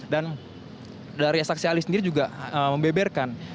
dan dari saksi ahli sendiri juga membeberkan